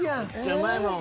うまいもん。